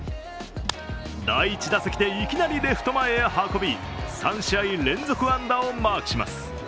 第１打席でいきなりレフト前へ運び３試合連続安打をマークします。